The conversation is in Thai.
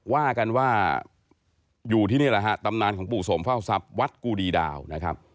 ว่ากันว่าอยู่ที่นี่แหละฮะตำนานของปู่สมเฝ้าทรัพย์วัดกูดีดาวนะครับ